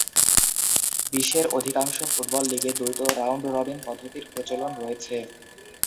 বিশ্বের অধিকাংশ ফুটবল লীগে দ্বৈত রাউন্ড-রবিন পদ্ধতির প্রচলন রয়েছে।